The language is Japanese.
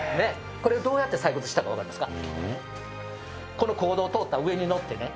これどうやって採掘したかわかりますか？